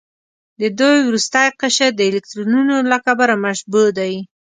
د دوی وروستی قشر د الکترونونو له کبله مشبوع دی.